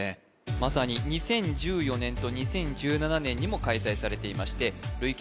まさに２０１４年と２０１７年にも開催されていまして累計